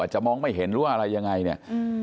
จะมองไม่เห็นหรือว่าอะไรยังไงเนี่ย